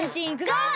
ゴー！